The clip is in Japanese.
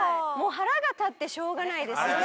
もう腹が立ってしょうがないです。